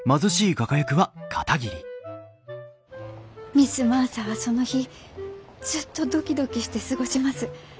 ミス・マーサはその日ずっとドキドキして過ごします。